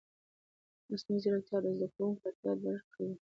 مصنوعي ځیرکتیا د زده کوونکو اړتیاوې درک کوي.